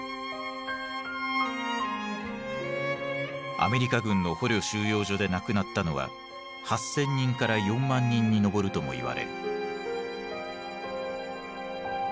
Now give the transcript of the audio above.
アメリカ軍の捕虜収容所で亡くなったのは８，０００人から４万人に上るともいわれる。